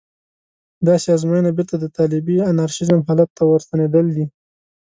داسې ازموینه بېرته د طالبي انارشېزم حالت ته ورستنېدل دي.